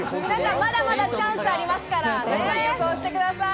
皆さん、まだまだチャンスありますから予想してください。